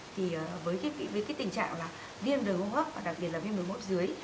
thì với cái tình trạng là viêm đường hoa hấp và đặc biệt là viêm đường hoa hấp dưới